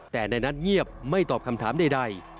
แต่นายนัทเงียบไม่ตอบคำถามใด